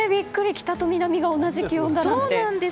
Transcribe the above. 北と南が同じ気温だなんて。